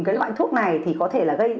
cái loại thuốc này thì có thể gây